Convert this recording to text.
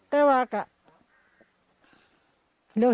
แต่ว่าก็